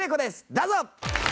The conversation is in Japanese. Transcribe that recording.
どうぞ！